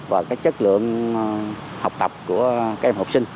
và cái chất lượng học tập của các em học sinh